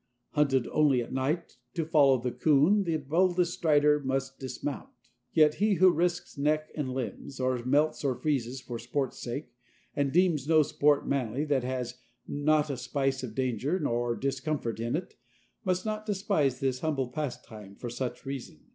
Hunted only at night, to follow the coon the boldest rider must dismount, yet he who risks neck and limbs, or melts or freezes for sport's sake, and deems no sport manly that has not a spice of danger or discomfort in it, must not despise this humble pastime for such reason.